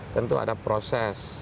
tentu ada proses